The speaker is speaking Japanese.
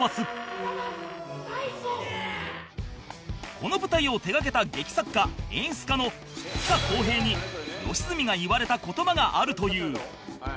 この舞台を手掛けた劇作家・演出家のつかこうへいに良純が言われた言葉があるという